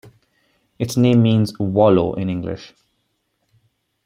Its name means "wallow" in English.